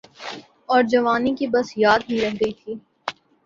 اورجوانی کی بس یاد ہی رہ گئی تھی۔